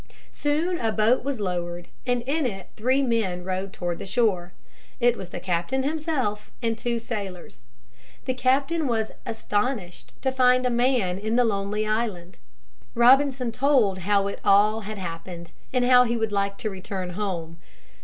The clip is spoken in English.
Soon a boat was lowered and in it three men rowed toward the shore. It was the captain himself and two sailors. The captain was astonished to find a man in the lonely island. Robinson told how it all had happened and how he would like to return home.